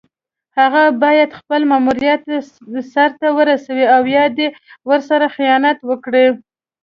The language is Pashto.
هغه باید خپل ماموریت سر ته ورسوي او یا دې ورسره خیانت وکړي.